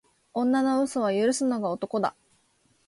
女の嘘は許すのが男だ